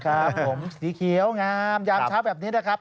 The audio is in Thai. ครับผมสีเขียวงามยามเช้าแบบนี้นะครับ